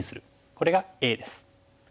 これがＡです。